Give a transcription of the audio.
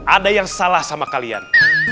ada yang salah sama kalian